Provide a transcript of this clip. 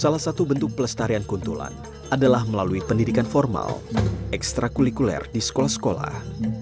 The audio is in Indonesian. salah satu bentuk pelestarian kuntulan adalah melalui pendidikan formal ekstra kulikuler di sekolah sekolah